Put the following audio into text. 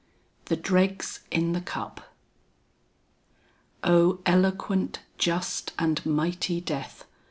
THE DREGS IN THE CUP. "O eloquent, just and mightie death!